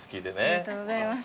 ありがとうございます。